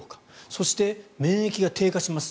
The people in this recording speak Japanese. そして免疫が低下します。